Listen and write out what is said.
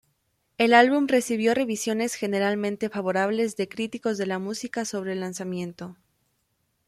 El álbum recibió revisiones generalmente favorables de críticos de la música sobre lanzamiento.